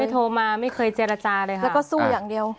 โทรมาไม่เคยเจรจาเลยค่ะแล้วก็สู้อย่างเดียว